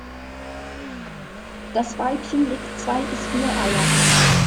Das Weibchen legt zwei bis vier Eier.